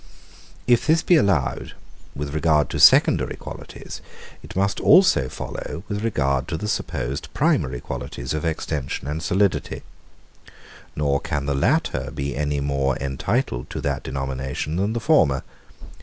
If this be allowed, with regard to secondary qualities, it must also follow, with regard to the supposed primary qualities of extension and solidity; nor can the latter be any more entitled to that denomination than the former.